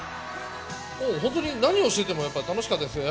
本当に何をしててもやっぱり楽しかったですよ。